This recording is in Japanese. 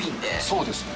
そうですね。